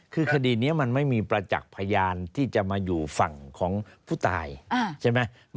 คือคดีนี้มันไม่มีประจักษ์พยานที่จะมาอยู่ฝั่งของผู้ตายใช่ไหม